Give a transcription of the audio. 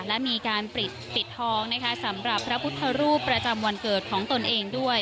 และมีการปิดทองนะคะสำหรับพระพุทธรูปประจำวันเกิดของตนเองด้วย